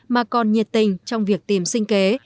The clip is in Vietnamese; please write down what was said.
mà còn nhiệt tình trong việc tìm sinh kế